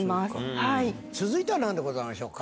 続いては何でございましょうか？